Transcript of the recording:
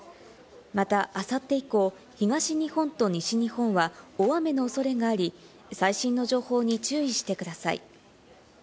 また、あさって以降、東日本と西日本は大雨のおそれがあり、最新の情報に注意してください。